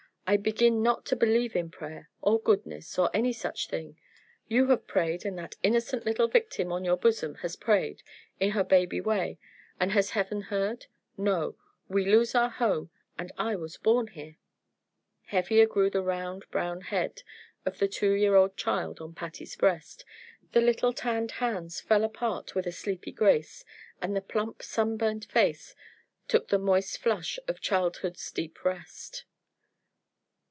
"I begin not to believe in prayer, or goodness, or any such thing. You have prayed, and that innocent little victim on your bosom has prayed, in her baby way, and has Heaven heard? No! We lose our home, and I was born here!" Heavier grew the round brown head of the two year old child on Patty's breast, the little tanned hands fell apart with a sleepy grace, and the plump, sunburnt face took the moist flush of childhood's deep rest.